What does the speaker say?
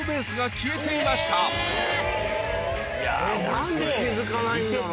何で気付かないんだろう？